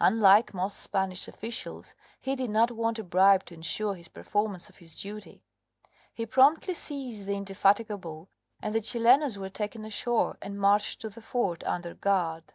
Unlike most Spanish officials, he did not want a bribe to ensure his performance of his duty. He promptly seized the Indefatigable, and the Chilenos were taken ashore and marched to the fort under guard.